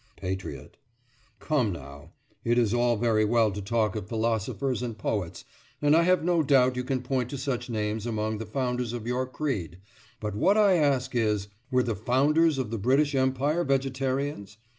PATRIOT: Come, now; it is all very well to talk of philosophers and poets, and I have no doubt you can point to such names among the founders of your creed, but what I ask is, Were the founders of the British Empire vegetarians?